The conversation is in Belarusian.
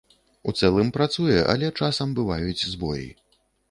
У цэлым працуе, але часам бываюць збоі.